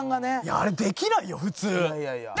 あれできないよ普通。